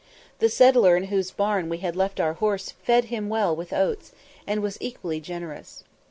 The settler in whose barn we had left our horse fed him well with oats, and was equally generous.